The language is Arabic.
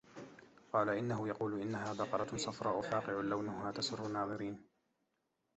قَالَ إِنَّهُ يَقُولُ إِنَّهَا بَقَرَةٌ صَفْرَاءُ فَاقِعٌ لَوْنُهَا تَسُرُّ النَّاظِرِينَ